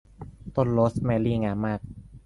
ต้นโรสแมรี่งามมาก